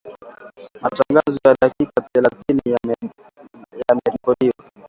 Matangazo ya dakika thelathini yamerekodiwa